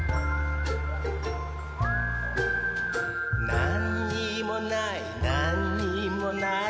なんにもないなんにもない